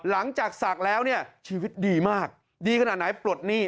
หลังจากศักดิ์แล้วเนี่ยชีวิตดีมากดีขนาดไหนปลดหนี้